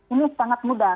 ini sangat mudah